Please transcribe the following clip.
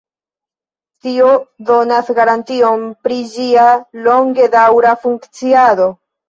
Tio donas garantion pri ĝia longedaŭra funkciado.